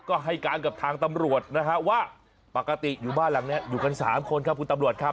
ก็ให้การกับทางตำรวจนะฮะว่าปกติอยู่บ้านหลังนี้อยู่กัน๓คนครับคุณตำรวจครับ